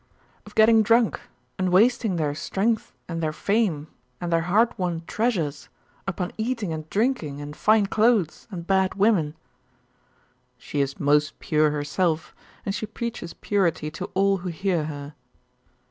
'Of getting drunk, and wasting their strength and their fame, and their hard won treasures upon eating and drinking, and fine clothes, and bad women.' 'She is most pure herself, and she preaches purity to all who hear her.